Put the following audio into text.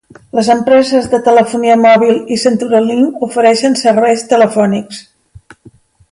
Les empreses de telefonia mòbil i Century Link ofereixen serveis telefònics.